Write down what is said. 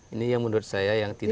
ini yang menurut saya yang tidak